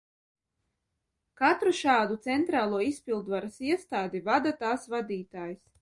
Katru šādu centrālo izpildvaras iestādi vada tās vadītājs.